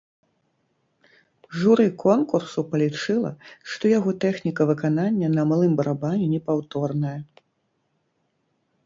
Журы конкурсу палічыла, што яго тэхніка выканання на малым барабане непаўторная.